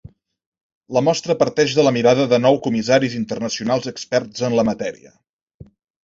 La mostra parteix de la mirada de nou comissaris internacionals experts en la matèria.